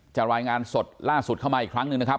รายงานสดล่าสุดเข้ามาอีกครั้งหนึ่งนะครับ